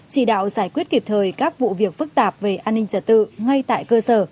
chỉ đạo giải quyết kịp thời các vụ việc phức tạp về an ninh trật tự ngay tại cơ sở